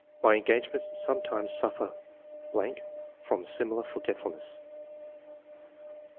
My engagements sometimes suflFer ... [from similar forgetfulness]." 4.